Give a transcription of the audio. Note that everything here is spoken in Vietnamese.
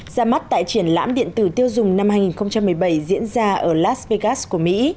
ra mắt tại triển lãm điện tử tiêu dùng năm hai nghìn một mươi bảy diễn ra ở las vegas của mỹ